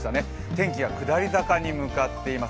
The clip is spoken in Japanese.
天気が下り坂に向かっています。